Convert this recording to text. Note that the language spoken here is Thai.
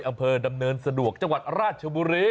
อำเภอดำเนินสะดวกจังหวัดราชบุรี